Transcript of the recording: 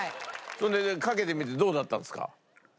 それでかけてみてどうだったんですか？